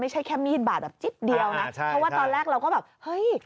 แค่มีดบาดแบบจิ๊บเดียวนะใช่เพราะว่าตอนแรกเราก็แบบเฮ้ย